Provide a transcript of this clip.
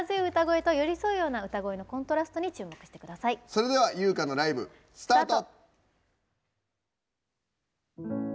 それでは由薫のライブ、スタート。